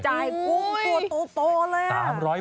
ประมวงตัวกุ้งตัวโตแล้ว